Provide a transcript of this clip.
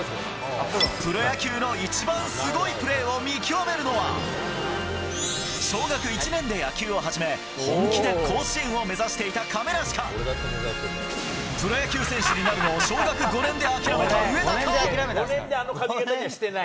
プロ野球の一番すごいプレーを見極めるのは、小学１年で野球を始め、本気で甲子園を目指していた亀梨か、プロ野球選手になるのを小学５年で諦めた上田か。